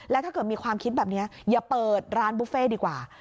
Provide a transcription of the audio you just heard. แล้วถ้าเกิดมีความคิดแบบนี้อย่าเปิดร้านบุฟเฟ่ดีกว่า